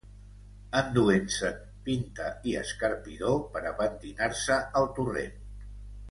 Enduent-se'n pinta i escarpidor per a pentinar-se al torrent.